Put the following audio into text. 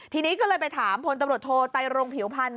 ทีนี้ก็เลยไปถามพลตำรวจโทไตรรงผิวพันธ